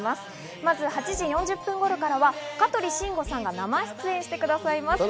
まず８時４０分頃からは香取慎吾さんが生出演してくださいます。